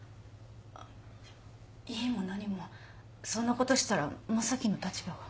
いいも何もそんなことしたら正樹の立場が。